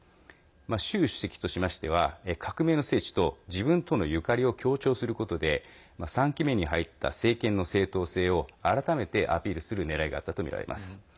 習主席としましては革命の聖地と自分とのゆかりを強調することで３期目に入った政権の正当性を改めてアピールする狙いがあったとみられます。